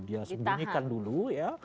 dia sembunyikan dulu ya